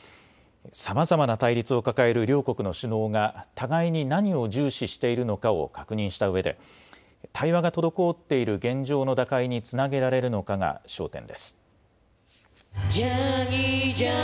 さまざまな対立を抱える両国の首脳が互いに何を重視しているのかを確認したうえで対話が滞っている現状の打開につなげられるのかが焦点です。